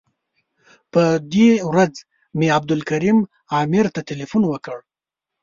په دې ورځ مې عبدالکریم عامر ته تیلفون وکړ.